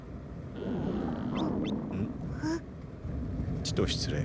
ちと失礼。